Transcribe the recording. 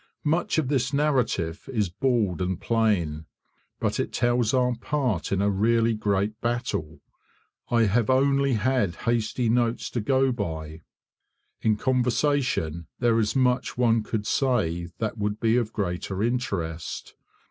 Much of this narrative is bald and plain, but it tells our part in a really great battle. I have only had hasty notes to go by; in conversation there is much one could say that would be of greater interest.